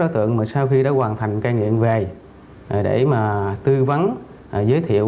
tượng mà sau khi đã hoàn thành ca nghiện về để mà tư vấn giới thiệu